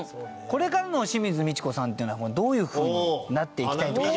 これからの清水ミチコさんというのはどういう風になっていきたいとか。